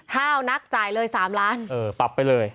ห้าวนักจ่ายเลยสามล้านเออปรับไปเลย